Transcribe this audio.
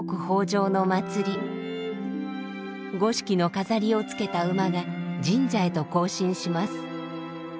五色の飾りをつけた馬が神社へと行進します。